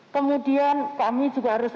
kemudian kami juga harus